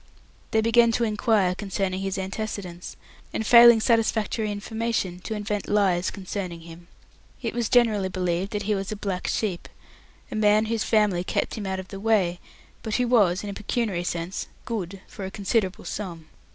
They began to inquire concerning his antecedents, and, failing satisfactory information, to invent lies concerning him. It was generally believed that he was a black sheep, a man whose family kept him out of the way, but who was, in a pecuniary sense, "good" for a considerable sum.